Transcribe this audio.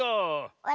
あれ？